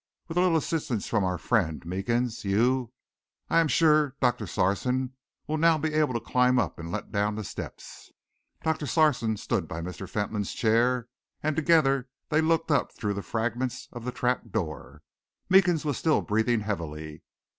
With a little assistance from our friend Meekins, you, I am sure, Sarson, will now be able to climb up and let down the steps." Doctor Sarson stood by Mr. Fentolin's chair, and together they looked up through the fragments of the trap door. Meekins was still breathing heavily.